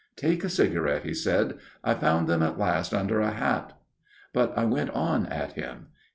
"' Take a cigarette/ he said, ' I found them at last under a hat/ " But I went on at him.